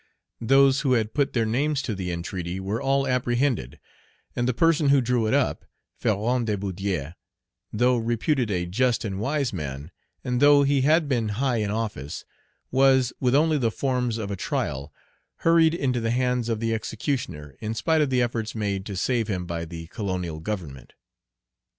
Those who had put their names to the entreaty were all apprehended, and the person who drew it up, Ferrand de Baudière, though reputed a just and wise man, and though he had been high in office, was, with only the forms of a trial, hurried into the hands of the executioner, in spite of the efforts made to save him by the colonial government.